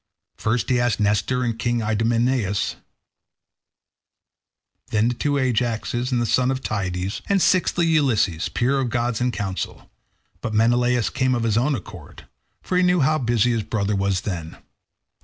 First he asked Nestor and King Idomeneus, then the two Ajaxes and the son of Tydeus, and sixthly Ulysses, peer of gods in counsel; but Menelaus came of his own accord, for he knew how busy his brother then was.